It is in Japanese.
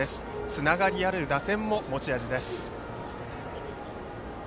つながりある打線も持ち味です。